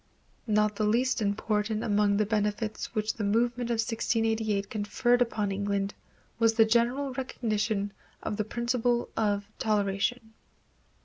Not the least important among the benefits which the movement of 1688 conferred upon England was the general recognition of the principle of toleration.